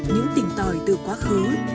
những tình tòi từ quá khứ